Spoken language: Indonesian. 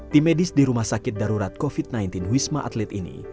tim medis di rumah sakit darurat covid sembilan belas wisma atlet ini